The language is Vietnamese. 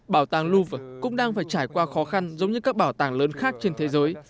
bảo tàng louvre cũng đang phải trải qua khó khăn giống như các bảo tàng lớn khác trên thế giới